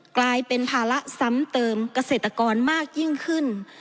กลายเป็นภาระซ้ำเติมเกษตรกรมากยิ่งขึ้น